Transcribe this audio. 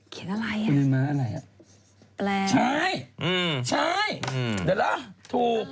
เขียนอะไรอ่ะแปลงใช่ใช่เดี๋ยวละถูก